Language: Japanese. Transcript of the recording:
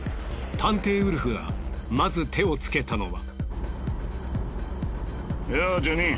探偵ウルフがまず手をつけたのは。